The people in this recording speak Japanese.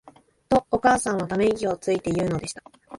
と、お母さんは溜息をついて言うのでした。